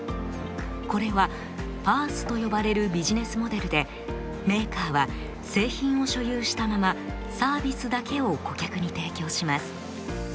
これは「ＰａａＳ」と呼ばれるビジネスモデルでメーカーは製品を所有したままサービスだけを顧客に提供します。